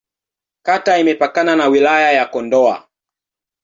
Kata imepakana na Wilaya ya Kondoa.